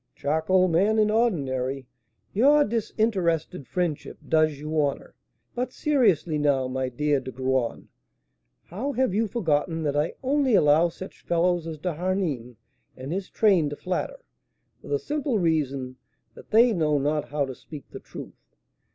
"Charcoal man in ordinary, your disinterested friendship does you honour. But seriously now, my dear De Graün, how have you forgotten that I only allow such fellows as D'Harneim and his train to flatter, for the simple reason that they know not how to speak the truth?